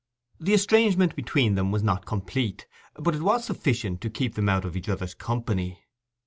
The estrangement between them was not complete, but it was sufficient to keep them out of each other's company.